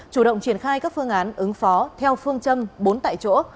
chủ động triển khai các phương án ứng phó theo phương châm bốn tại chỗ